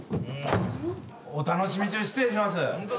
お楽しみ中失礼します。